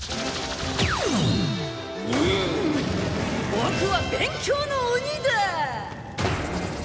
ボクは勉強の鬼だ！